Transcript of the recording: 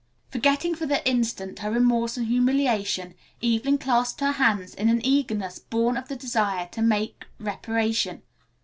Forgetting for the instant her remorse and humiliation Evelyn clasped her hands in an eagerness born of the desire to make reparation.